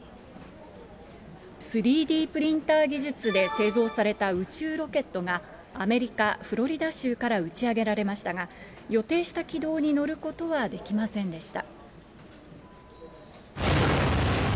３Ｄプリンター技術で製造された宇宙ロケットがアメリカ・フロリダ州から打ち上げられましたが、予定した軌道に乗ることはできませんでした。